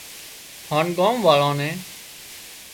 هانَ ڳام واۯان نين